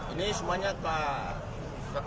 ini semuanya ketua ormas hadir